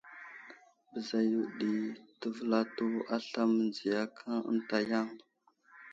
Bəza yo ɗi təvelato aslam mənziya ənta yam.